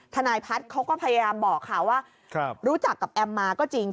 ทนายพัฒน์เขาก็พยายามบอกค่ะว่ารู้จักกับแอมมาก็จริง